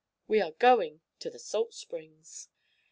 We are going to the salt springs."